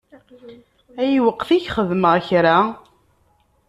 Ayweq i k-xedmeɣ kra?